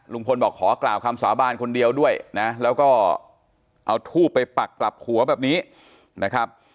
ลุงพลบอกขอกล่าวคำสาบานคนเดียวด้วยนะแล้วก็เอาทูบไปปักกลับหัวแบบนี้นะครับ